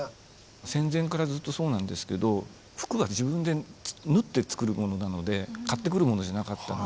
戦前からずっとそうなんですけど服は自分で縫って作るものなので買ってくるものじゃなかったので。